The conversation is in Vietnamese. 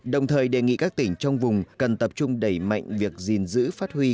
đồng thời đề nghị các tỉnh trong vùng cần tập trung đẩy mạnh việc gìn giữ phát huy